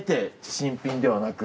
新品ではなく？